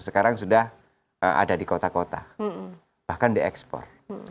sekarang sudah ada di kota kota bahkan diekspor